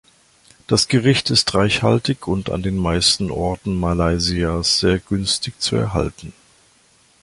Das Gericht ist reichhaltig und an den meisten Orten Malaysias sehr günstig zu erhalten.